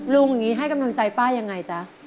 อย่างนี้ให้กำลังใจป้ายังไงจ๊ะ